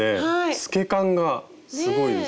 透け感がすごいですね。